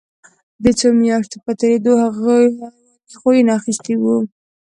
د څو میاشتو په تېرېدو هغوی حیواني خویونه اخیستي وو